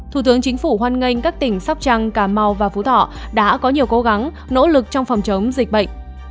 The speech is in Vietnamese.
thủ tướng chính phủ hoan nghênh các tỉnh sóc trăng cà mau và phú thọ đã có nhiều cố gắng nỗ lực trong phòng chống dịch bệnh